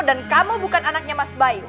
dan kamu bukan anaknya mas bayu